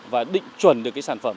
và định chuẩn được cái sản phẩm